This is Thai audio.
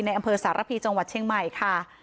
อำเภอสารพีจังหวัดเชียงใหม่ค่ะ